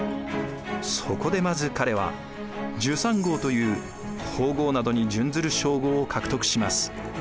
そこでまず彼は准三后という皇后などに準ずる称号を獲得します。